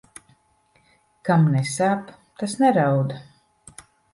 Kam nesāp, tas neraud.